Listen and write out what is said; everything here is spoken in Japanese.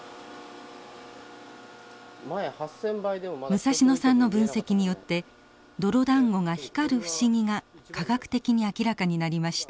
武蔵野さんの分析によって泥だんごが光る不思議が科学的に明らかになりました。